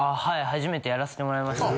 初めてやらせてもらいました。